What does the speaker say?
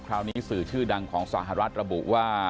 คราวนี้สื่อชื่อดังของสหรัฐระบุว่า